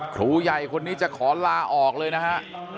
ครูใหญ่คนนี้จะขอลาออกเลยนะฮะ